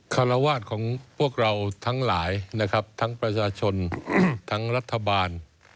คารวาสของพวกเราทั้งหลายนะครับทั้งประชาชนทั้งรัฐบาล